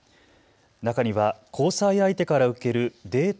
中には交際相手から受けるデート